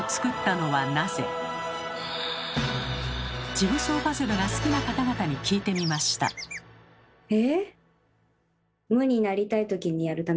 ジグソーパズルが好きな方々に聞いてみました。え？